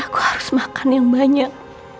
aku harus makan yang banyak